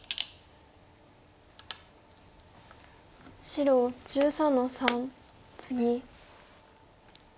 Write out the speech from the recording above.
白１３の三ツギ。